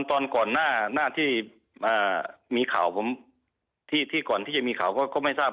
ตอนก่อนหน้าที่มีข่าวผมที่ก่อนที่จะมีข่าวก็ไม่ทราบ